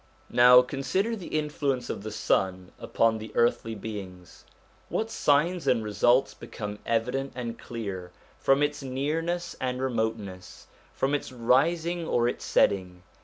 Now consider the influence of the sun upon the earthly beings : what signs and results become evident and clear from its nearness and remoteness, from its rising or its setting.